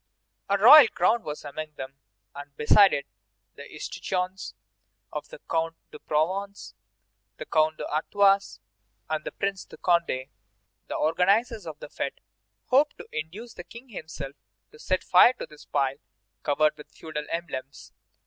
A royal crown was among them, and beside it the escutcheons of the Count de Provence, the Count d'Artois, and the Prince de Condé. The organizers of the fête hoped to induce the King himself to set fire to this pile, covered with feudal emblems.